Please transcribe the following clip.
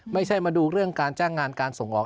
ไม่ใช่มาดูเรื่องการจ้างงานการส่งออก